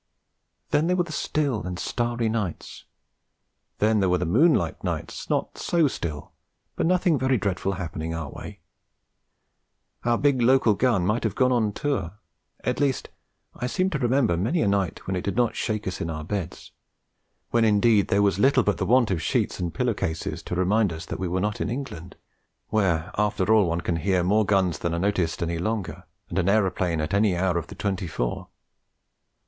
Then there were the still and starry nights. Then there were the moonlight nights, not so still, but nothing very dreadful happening our way. Our big local gun might have gone on tour; at least I seem to remember many a night when it did not shake us in our beds, when indeed there was little but the want of sheets and pillow cases to remind us that we were not in England, where after all one can hear more guns than are noticed any longer, and an aeroplane at any hour of the twenty four.